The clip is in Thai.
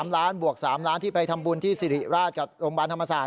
๓ล้านบวก๓ล้านที่ไปทำบุญที่สิริราชกับโรงพยาบาลธรรมศาสต